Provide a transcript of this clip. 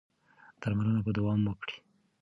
درملنه به دوام وکړي.